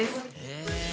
え。